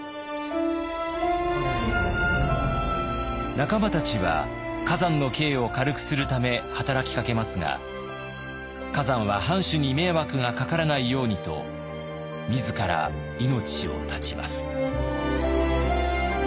仲間たちは崋山の刑を軽くするため働きかけますが崋山は藩主に迷惑がかからないようにと自ら命を絶ちます。